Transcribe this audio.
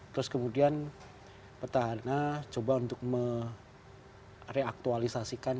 terus kemudian petahana coba untuk mereaktualisasikan